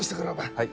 はい。